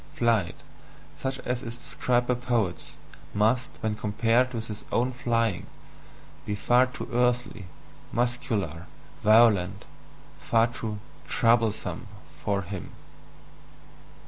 "Flight," such as is described by poets, must, when compared with his own "flying," be far too earthly, muscular, violent, far too "troublesome" for him.